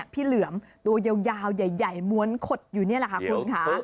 เหลือมตัวยาวใหญ่ม้วนขดอยู่นี่แหละค่ะคุณค่ะ